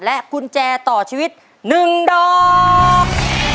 และคุณแจต่อชีวิต๑ดอก